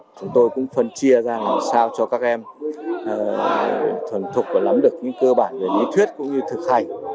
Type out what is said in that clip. chúng tôi cũng phân chia ra làm sao cho các em thuần thục và lắm được những cơ bản về lý thuyết cũng như thực hành